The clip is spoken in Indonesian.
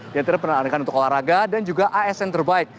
diantara penerangan untuk olahraga dan juga asn terbaik